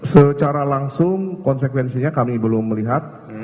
secara langsung konsekuensinya kami belum melihat